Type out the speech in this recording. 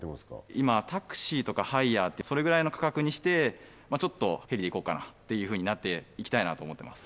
今タクシーとかハイヤーってそれぐらいの価格にしてちょっとヘリで行こうかなっていうふうになっていきたいなと思ってます